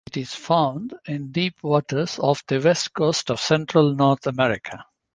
It is found in deep waters off the west coast of central North America.